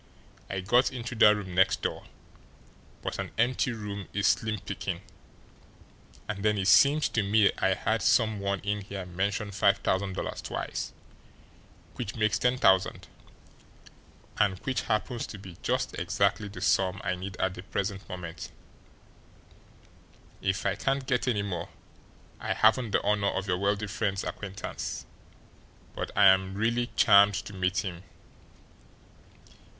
I got into that room next door, but an empty room is slim picking. And then it seemed to me I heard some one in here mention five thousand dollars twice, which makes ten thousand, and which happens to be just exactly the sum I need at the present moment if I can't get any more! I haven't the honour of your wealthy friend's acquaintance, but I am really charmed to meet him.